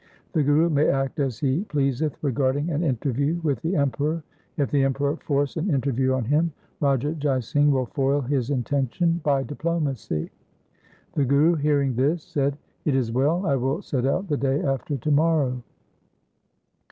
The Guru may act as he pleaseth regarding an interview with the Emperor. If the Emperor force an inter view on him, Raja Jai Singh will foil his intention by diplomacy.' The Guru hearing this said, ' It is well. I will set out the day after to morrow.'